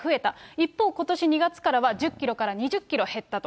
一方、ことし２月からは１０キロから２０キロ減ったと。